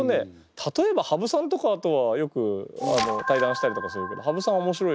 例えば羽生さんとかとはよく対談したりとかするけど羽生さんおもしろい。